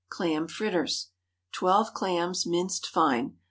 CLAM FRITTERS. ✠ 12 clams, minced fine.